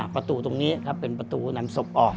ประตูตรงนี้ครับเป็นประตูนำศพออก